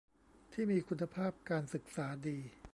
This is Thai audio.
ที่มีคุณภาพการศึกษาดี